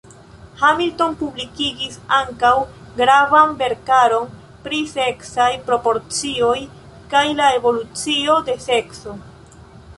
Hamilton publikigis ankaŭ gravan verkaron pri seksaj proporcioj kaj la evolucio de sekso.